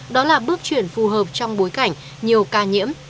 đó là bước chuyển phù hợp trong bối cảnh nhiều ca nhiễm